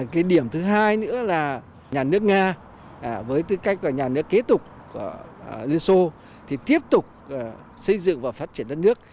cái điểm thứ hai nữa là nhà nước nga với tư cách là nhà nước kế tục lenin sô thì tiếp tục xây dựng và phát triển đất nước